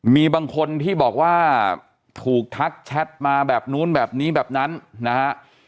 มีบางคนที่บอกว่าถูกทักแชทมาแบบนู้นแบบนี้แบบนั้นนะฮะ